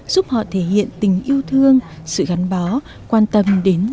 giúp họ thể hiện tình yêu thương sự gắn bó quan tâm đến tình yêu